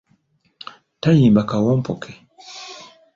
Tayimba kawompo ke .